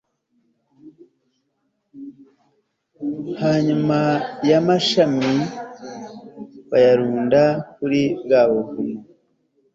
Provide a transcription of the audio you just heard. hanyuma ya mashami bayarunda kuri bwa buvumo